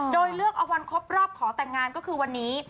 โดยเลือกเอาวันครบรอบขอแต่งงานก็คือวันนี้